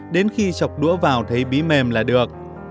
đến khi chọc đũa vào thấy bí mềm là được